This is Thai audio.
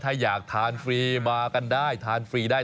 ถ้าอยากทานฟรีมากันได้ทานฟรีได้